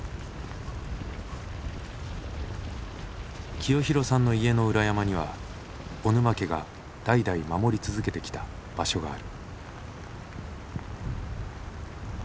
清弘さんの家の裏山には小沼家が代々守り続けてきた場所がある。